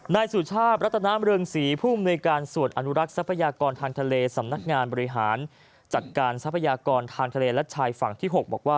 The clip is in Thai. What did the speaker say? นายสุชาติรัตนามเรืองศรีภูมิในการส่วนอนุรักษ์ทรัพยากรทางทะเลสำนักงานบริหารจัดการทรัพยากรทางทะเลและชายฝั่งที่๖บอกว่า